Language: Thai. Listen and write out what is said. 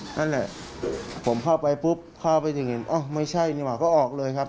นั่นแหละผมเข้าไปปุ๊บเข้าไปถึงเห็นอ้าวไม่ใช่นี่หว่าก็ออกเลยครับ